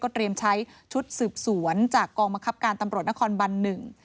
เตรียมใช้ชุดสืบสวนจากกองบังคับการตำรวจนครบันหนึ่ง